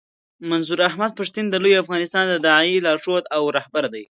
منظور احمد پښتين د لوی افغانستان د داعیې لارښود او رهبر دی.